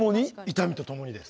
痛みとともにです。